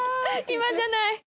今じゃない！